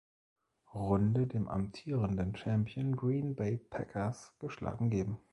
Runde dem amtierenden Champion Green Bay Packers geschlagen geben.